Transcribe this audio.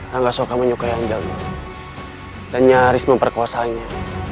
nangga soka menyukai anjali dan nyaris memperkuasanya